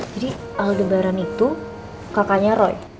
jadi aldebaran itu kakaknya roy